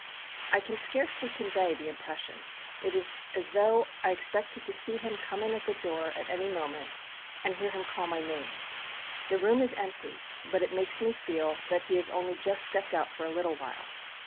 I can scarcely convey the impression; it is as though I expected to see him come in at the door at any moment and hear him call my name. The room is empty, but it makes me feel that he has only just stepped out for a little while.